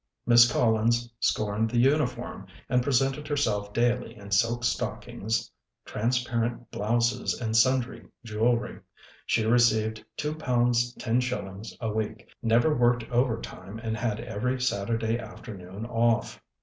Miss Collins scorned the uniform and presented herself daily in silk stockings, transparent blouses, and sundry jewelry. She received two pounds ten shil lings a week, never worked overtime, and had every Saturday afternoon off.